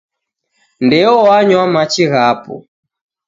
Ndeo wanywa machi ghapo.